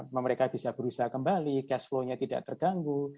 mereka bisa berusaha kembali cash flow nya tidak terganggu